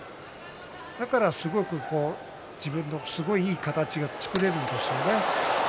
だから、すごく自分のいい形が作れるんですよね。